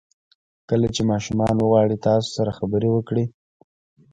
کله چې ماشومان وغواړي تاسو سره خبرې وکړي.